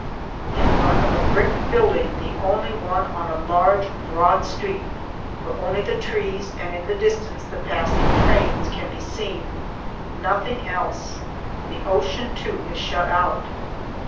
In front of a brick building, the only one on a large, broad street, where only the trees, and, in the distance, the passing trains can be seen. Nothing else. The ocean, too, is shut out.